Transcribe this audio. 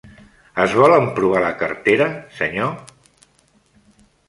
Es vol emprovar la cartera, senyor?